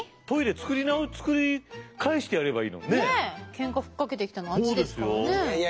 ケンカ吹っかけてきたのはあっちですからね。